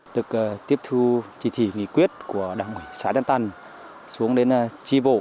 được tiếp thu chỉ thị nghỉ quyết của đảng quỷ xã đan tăn xuống đến tri vộ